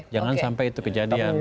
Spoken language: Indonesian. jangan sampai itu kejadian